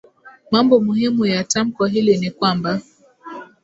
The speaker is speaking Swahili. Mambo muhimu ya tamko hili ni kwamba